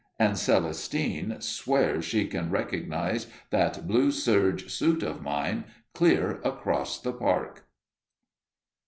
And Celestine swears she can recognize that blue serge suit of mine, clear across the Park!